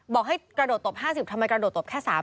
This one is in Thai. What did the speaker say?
บอกให้กระโดดตบ๕๐ทำไมกระโดดตบแค่๓๐